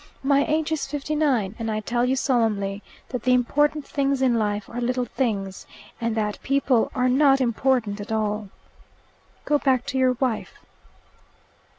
My age is fifty nine, and I tell you solemnly that the important things in life are little things, and that people are not important at all. Go back to your wife."